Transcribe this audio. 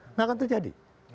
enggak akan terjadi